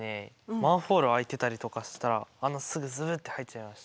マンホール開いてたりとかしたら穴すぐズルッて入っちゃいます。